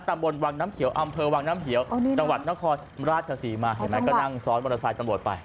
ตำบลวังน้ำเขียวอำเภอวังน้ำเขียวจังหวัดนครราชศรีมาเห็นไหมก็นั่งซ้อนมอเตอร์ไซค์ตำรวจไป